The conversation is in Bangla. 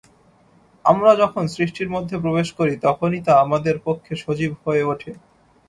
আমরা যখন সৃষ্টির মধ্যে প্রবেশ করি, তখনই তা আমাদের পক্ষে সজীব হয়ে ওঠে।